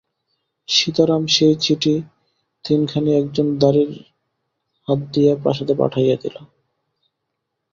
সীতারাম সেই চিঠি তিনখানি একজন দাঁড়ির হাত দিয়া প্রাসাদে পাঠাইয়া দিল।